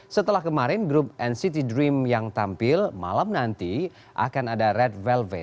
setelah kemarin grup nct dream yang tampil malam nanti akan ada red velvet